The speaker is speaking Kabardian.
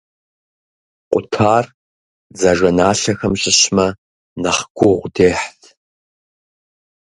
Къутар дзажэналъэхэм щыщмэ, нэхъ гугъу дехьт.